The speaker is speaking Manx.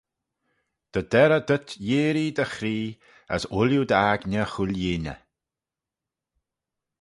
Dy der eh dhyt yeearree dty chree: as ooilley dt'aigney 'chooilleeney.